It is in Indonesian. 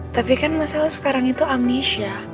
tapi kan mas al sekarang itu amnesia